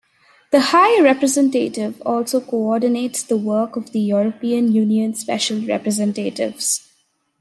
The High Representative also coordinates the work of the European Union Special Representatives.